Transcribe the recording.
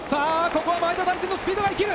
前田大然のスピードが生きる。